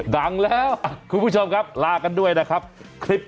ดังแล้วคุณผู้ชมครับลากันด้วยนะครับ